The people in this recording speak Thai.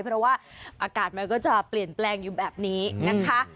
เพราะว่าอากาศมันก็จะเปลี่ยนแปลงอยู่แบบนี้นะคะ